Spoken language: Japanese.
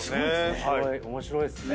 面白いっすね。